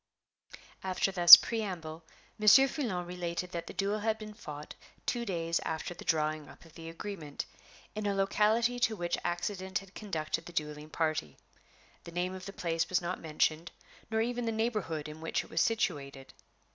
After thus preamble, Monsieur Foulon related that the duel had been fought two days after the drawing up of the agreement, in a locality to which accident had conducted the dueling party. (The name of the place was not mentioned, nor even the neighborhood in which it was situated.)